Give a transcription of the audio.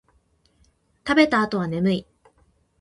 食べた後は眠い